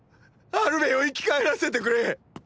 アルメを生き返らせてくれッ！